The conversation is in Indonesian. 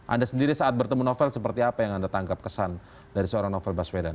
anda sendiri saat bertemu novel seperti apa yang anda tangkap kesan dari seorang novel baswedan